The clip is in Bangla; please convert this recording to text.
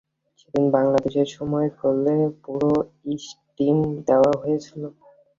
সেদিন বাংলাদেশে সময়ের কলে পুরো ইস্টিম দেওয়া হয়েছিল।